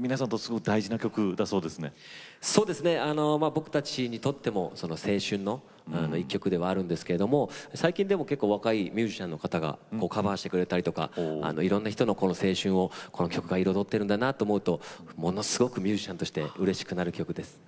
皆さんにとって僕たちにとっても青春の１曲ではあるんですけど最近でも結構若いミュージシャンの方がカバーしてくれたりとかいろんな人の青春をこの曲が彩っているんだなと思うとものすごくミュージシャンとしてうれしくなる曲です。